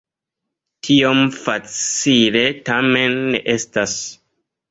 Tiom facile tamen ne estas.